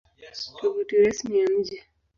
Tovuti Rasmi ya Mji